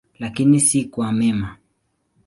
Lakini si kwa mema.